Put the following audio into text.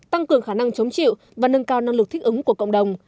tăng cường khả năng chống chịu và nâng cao năng lực thích ứng của cộng đồng